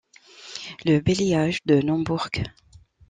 Le bailliage de Naumbourg.